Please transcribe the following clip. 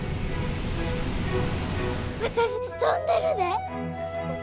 私飛んでるで！